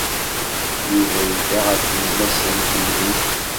Yuba yedda ɣer tlemmast n temdint.